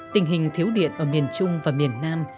tình hình thiếu điện ở miền trung và miền nam